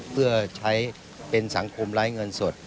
เพื่อใช้เป็นสังคมไร้เงินสด